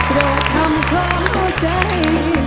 โปรดทำเพราะหัวใจ